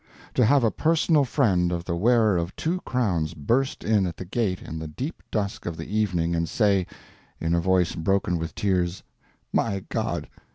To have a personal friend of the wearer of two crowns burst in at the gate in the deep dusk of the evening and say, in a voice broken with tears, 'My God!